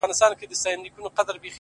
• اوس بيا د ښار په ماځيگر كي جادو ـ